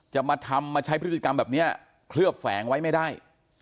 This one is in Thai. จะมาทำมาใช้พฤติกรรมแบบนี้เคลือบแฝงไว้ไม่ได้